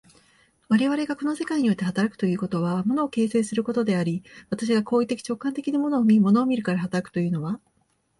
我々がこの世界において働くということは、物を形成することであり、私が行為的直観的に物を見、物を見るから働くというのは、